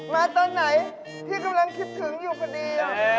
มาตอนไหนพี่กำลังคิดถึงอยู่ประดี